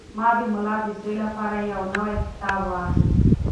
ما د غلام د زوی لپاره یو نوی کتاب واخیست.